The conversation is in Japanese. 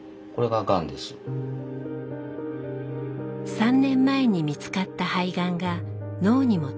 ３年前に見つかった肺がんが脳にも転移。